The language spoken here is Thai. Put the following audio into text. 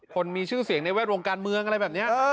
คนมีชื่อเสียงในแวดวงการเมืองอะไรแบบนี้